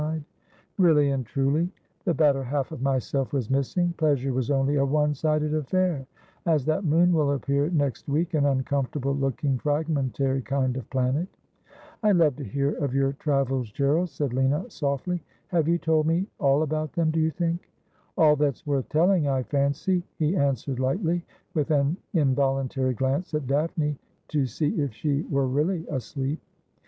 'Not for your Linage, ne for your MichesseJ 169 ' Really and truly ; the better half of myself was missing. Pleasure was only a oue sided affair, as that moon will appear next week — an uncomfortable looking fragmentary kind of planet.' ' I love to hear of your travels, Gerald,' said Lina softly. ' Have you told me all about them, do you think ?'' All that's worth telling, I fancy,' he answered lightly, with an involuntary glance at Daphne to see if she were really asleep.